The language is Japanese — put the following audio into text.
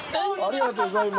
ありがとうございます。